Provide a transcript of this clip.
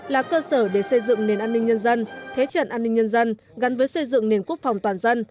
là cơ sở để xây dựng nền an ninh nhân dân thế trận an ninh nhân dân gắn với xây dựng nền quốc phòng toàn dân